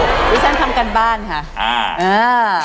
วิทยาลัยศัพท์ทำการบ้านค่ะ